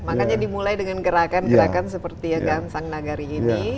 makanya dimulai dengan gerakan gerakan seperti yang kang sang nagari ini